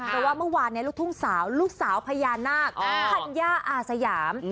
เพราะว่าเมื่อวานลูกทุ่งสาวลูกสาวพญานาคธัญญาอาสยาม